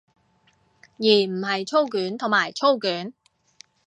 而唔係操卷同埋操卷